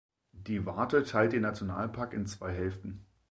Die Warthe teilt den Nationalpark in zwei Hälften.